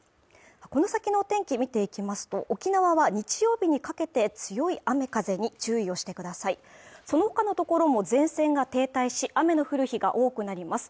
この先のお天気見ていきますと沖縄は日曜日にかけて強い雨風に注意をしてくださいそのほかの所も前線が停滞し雨の降る日が多くなります